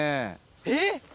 えっ！